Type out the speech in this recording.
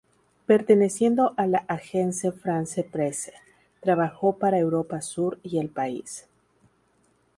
Perteneciendo a la Agence France-Presse, trabajó para Europa Sur y El País.